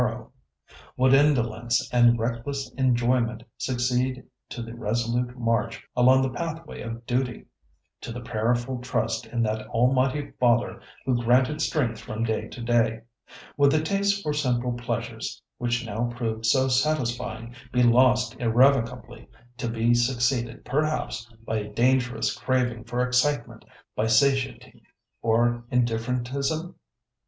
"Would indolence and reckless enjoyment succeed to the resolute march along the pathway of duty, to the prayerful trust in that Almighty Father who granted strength from day to day? Would the taste for simple pleasures, which now proved so satisfying, be lost irrevocably, to be succeeded, perhaps, by a dangerous craving for excitement, by satiety or indifferentism?